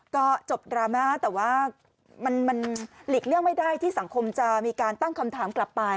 ก็จบดราม่าแต่ว่ามันหลีกเลี่ยงไม่ได้ที่สังคมจะมีการตั้งคำถามกลับไป